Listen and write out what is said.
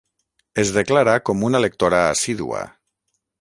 Es declara com una lectora assídua.